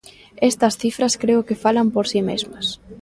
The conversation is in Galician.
Estas cifras creo que falan por si mesmas.